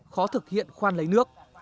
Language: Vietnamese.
khó thực hiện khoan lấy nước